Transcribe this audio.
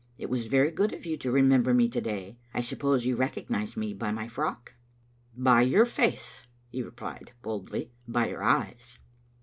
It was very good of you to remember me to day. I suppose you recognized me by my frock?" "By your face," he replied, boldly; "by your eyes."